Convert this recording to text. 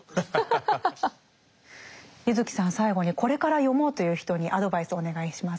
柚木さん最後にこれから読もうという人にアドバイスをお願いします。